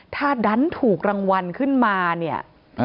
ถ้าดันถูกรางวัลขึ้นมาเนี่ย